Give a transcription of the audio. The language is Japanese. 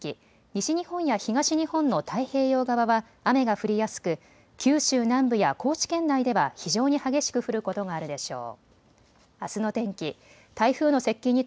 西日本や東日本の太平洋側は雨が降りやすく九州南部や高知県内では非常に激しく降ることがあるでしょう。